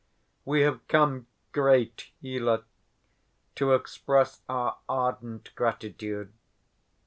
We have come, great healer, to express our ardent gratitude.